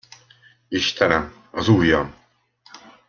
Istenem, az ujjam.